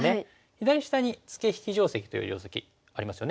左下にツケ引き定石という定石ありますよね。